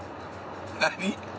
何？